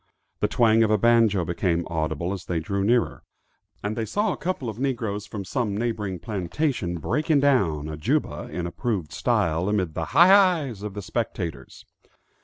The twang of a banjo became audible as they drew nearer, and they saw a couple of negroes, from some neighboring plantation, "breaking down" a juba in approved style, amid the "hi, hi's" of the spectators.